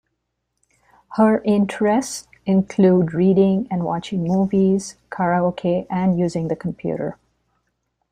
Her interests include reading and watching movies, karaoke, and using the computer.